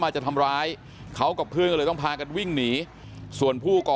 จะทำร้ายเขากับเพื่อนก็เลยต้องพากันวิ่งหนีส่วนผู้ก่อ